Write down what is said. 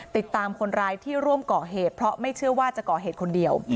ติดตามคนร้ายที่ร่วมก่อเหตุเพราะไม่เชื่อว่าจะก่อเหตุคนเดียว